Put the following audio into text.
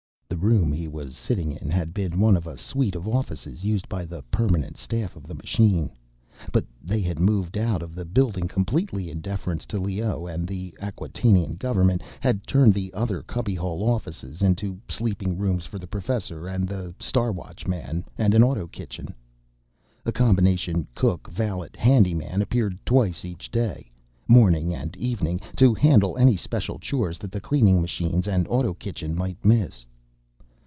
The room he was sitting in had been one of a suite of offices used by the permanent staff of the machine. But they had moved out of the building completely, in deference to Leoh, and the Acquatainian government had turned the other cubbyhole offices into sleeping rooms for the professor and the Star Watchman, and an auto kitchen. A combination cook valet handyman appeared twice each day—morning and evening—to handle any special chores that the cleaning machines and auto kitchen might miss.